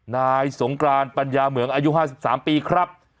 นายสงกรานปัญญาเหมืองอายุ๕๓ปีครับ